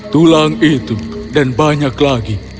tulang itu dan banyak lagi